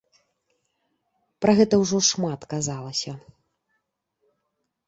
Пра гэта ўжо шмат казалася.